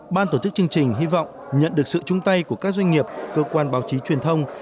ban tổ chức chương trình hy vọng nhận được sự chung tay của các doanh nghiệp cơ quan báo chí truyền thông